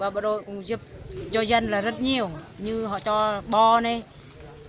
bộ đội cũng giúp cho dân rất nhiều như họ cho bò gạo